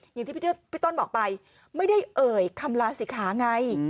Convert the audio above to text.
อย่างที่พี่ต้นบอกไปไม่ได้เอ่ยคำลาศิกขาไง